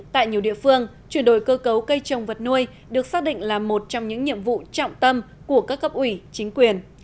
tại nhiều địa phương chuyển đổi cơ cấu cây trồng vật nuôi được xác định là một trong những nhiệm vụ trọng tâm của các cấp ủy chính quyền